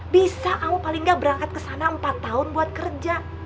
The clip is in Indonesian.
bisa kamu paling gak berangkat ke sana empat tahun buat kerja